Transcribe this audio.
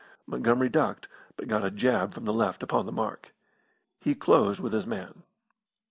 Montgomery ducked, but got a jab from the left upon the mark. He closed with his man.